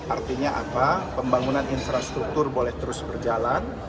artinya apa pembangunan infrastruktur boleh terus berjalan